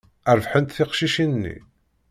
Rebḥent teqcicin-nni.